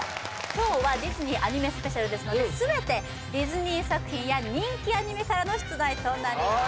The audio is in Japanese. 今日はディズニーアニメＳＰですので全てディズニー作品や人気アニメからの出題となります